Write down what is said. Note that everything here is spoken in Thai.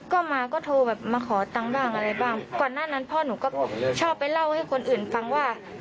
ก็มาก็โทรแบบมาขอตังค์บ้างอะไรบ้างก่อนหน้านั้นพ่อหนูก็ชอบไปเล่าให้คนอื่นฟังว่า